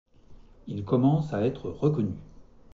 Il commence à être reconnu.